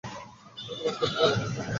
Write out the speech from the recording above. আমিই তোমার প্রতিপালক।